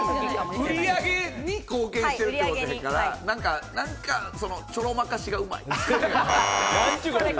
売上に貢献してるっていうことやから、なんかちょろまかしがうまい。